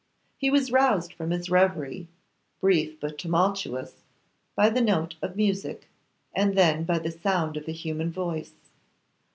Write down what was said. He was roused from his reverie, brief but tumultuous, by the note of music, and then by the sound of a human voice.